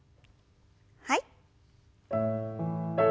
はい。